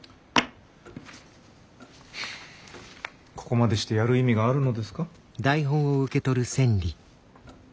ここまでしてやる意味があるのですか？